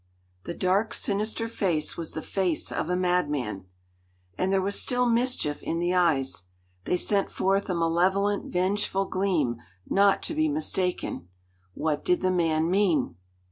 The dark, sinister face was the face of a madman. And there was still mischief in the eyes. They sent forth a malevolent, vengeful gleam not to be mistaken. What did the man mean?